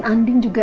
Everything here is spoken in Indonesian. dan anding juga